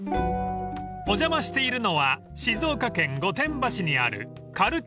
［お邪魔しているのは静岡県御殿場市にある］